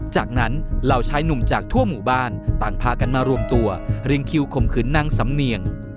จากนั้นเหล่าชายหนุ่มจากทั่วหมู่บ้านต่างพากันมารวมตัวเรียงคิวข่มขืนนางสำเนียง